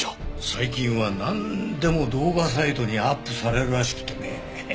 最近はなんでも動画サイトにアップされるらしくてね。